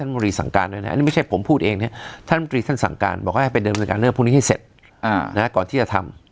พรุ่งนี้ให้เสร็จนะครับก่อนที่จะทำ